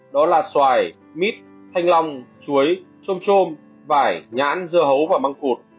đó là xoài mít thanh long chuối trôm trôm vải nhãn dưa hấu và măng cụt